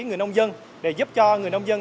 người nông dân để giúp cho người nông dân